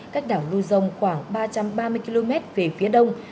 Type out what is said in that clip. cách đảo lưu dông khoảng ba trăm ba mươi km về phía đông